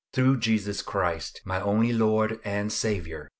Through Jesus Christ, my only Lord and Saviour.